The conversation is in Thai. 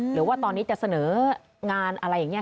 หรือว่าตอนนี้จะเสนองานอะไรอย่างนี้